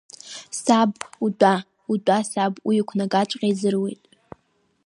Саб, утәа, утәа, саб, уи иқәнагаҵәҟьа изыруит.